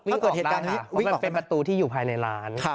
ถ้าวิ่งออกได้ค่ะเพราะมันเป็นประตูที่อยู่ภายในร้าน